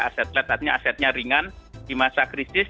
aset let artinya asetnya ringan di masa krisis